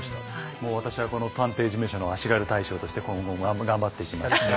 もう私はこの探偵事務所の足軽大将として今後も頑張っていきますので。